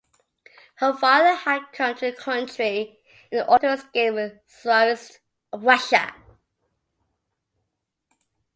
Her father had come to the country in order to escape Czarist Russia.